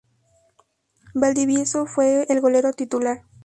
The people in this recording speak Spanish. Valdivieso fue el golero titular.